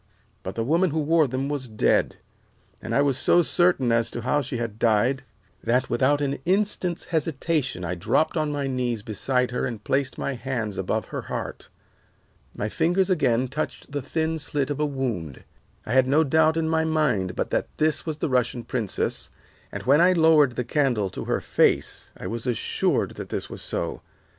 But the woman who wore them was dead, and I was so certain as to how she had died that without an instant's hesitation I dropped on my knees beside her and placed my hands above her heart. My fingers again touched the thin slit of a wound. I had no doubt in my mind but that this was the Russian princess, and when I lowered the candle to her face I was assured that this was so.